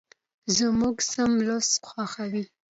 زموږ صنف لوست خوښوي.